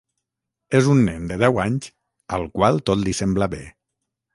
És un nen de deu anys al qual tot li sembla bé.